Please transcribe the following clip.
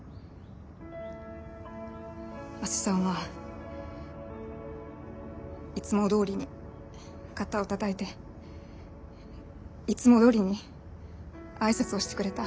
阿瀬さんはいつもどおりに肩をたたいていつもどおりに挨拶をしてくれた。